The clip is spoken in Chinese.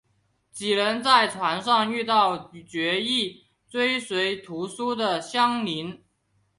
几人在船上遇到决意追随屠苏的襄铃。